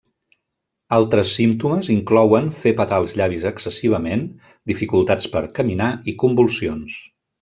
Altres símptomes inclouen fer petar els llavis excessivament, dificultats per caminar i convulsions.